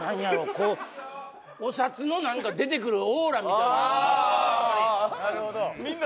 こうお札の出てくるオーラみたいなもんが・